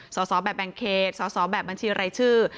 สแบบแบลงเคจสแบบบัญชีไรชื่อ